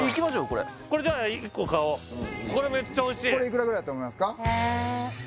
これこれじゃこれめっちゃ欲しいこれいくらぐらいだと思いますかええ